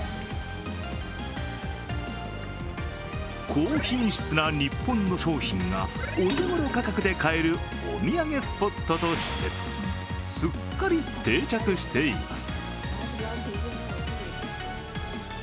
高品質な日本の商品がお手ごろ価格で買えるお土産スポットとしてすっかり定着しています。